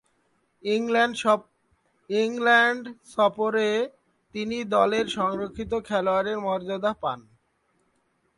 England সফরে তিনি দলের সংরক্ষিত খেলোয়াড়ের মর্যাদা পান।